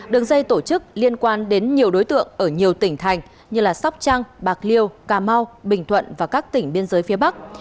đường dây tổ chức liên quan đến nhiều đối tượng ở nhiều tỉnh thành như sóc trăng bạc liêu cà mau bình thuận và các tỉnh biên giới phía bắc